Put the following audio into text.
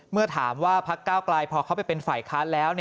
เมื่อถามว่าพักก้าวกลายพอเขาไปเป็นฝ่ายค้านแล้ว